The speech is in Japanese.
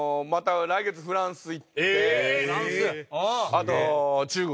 あと中国。